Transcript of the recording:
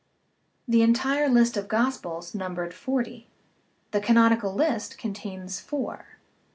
The entire list of gospels numbered forty ; the canonical list contains four.